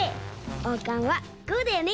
おうかんはこうだよね！